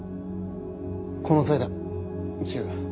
この際だ柊。